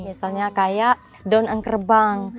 misalnya kayak daun engkerebang